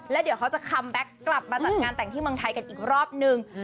แล้วเดี๋ยวเขาจะคัมแบ็คกลับมาจัดงานแต่งที่เมืองไทยกันอีกรอบนึง